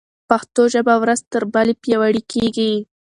پښتو ژبه ورځ تر بلې پیاوړې کېږي.